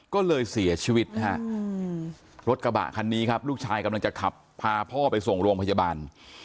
ก็เลยเสียชีวิตนะฮะรถกระบะคันนี้ครับลูกชายกำลังจะขับพาพ่อไปส่งโรงพยาบาล